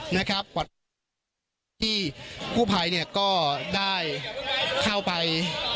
น้องครุภัยควรได้เข้าไป